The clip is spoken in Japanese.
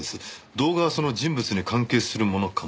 動画はその人物に関係するものかもしれません。